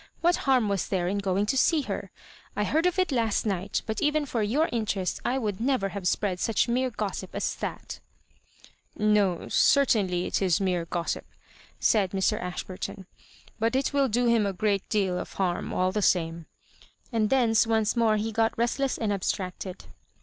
What harm was there in going to see her ? I heard of it last night, but even for your interest I would never have spread such mere gossip as that" " No — certainly it is mere gossip," said Mr. Ashburtou ;" but it will do him a great deal of harm all the same," and thence once more he got restless and abstracted.